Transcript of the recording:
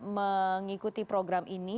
mengikuti program ini